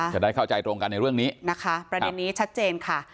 จะได้เข้าใจตรงกันในเรื่องนี้นะคะประเด็นนี้ชัดเจนค่ะ